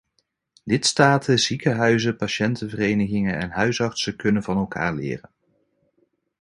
Lidstaten, ziekenhuizen, patiëntenverenigingen en huisartsen kunnen van elkaar leren.